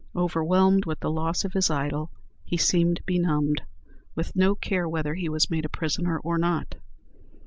Overwhelmed with the loss of his idol, he seemed benumbed, with no care whether he was made a prisoner or not.